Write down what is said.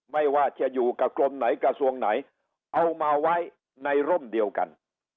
ไม่ว่าจะอยู่กับกรมไหนกระทรวงไหนเอามาไว้ในร่มเดียวกัน